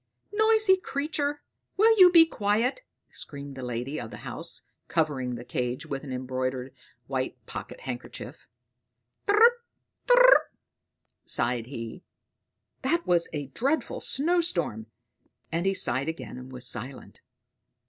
"Noisy creature! Will you be quiet!" screamed the lady of the house, covering the cage with an embroidered white pocket handkerchief. "Chirp, chirp!" sighed he. "That was a dreadful snowstorm"; and he sighed again, and was silent.